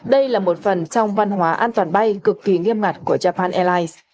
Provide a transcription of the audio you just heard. đây là một phần trong văn hóa an toàn bay cực kỳ nghiêm ngặt của japan airlines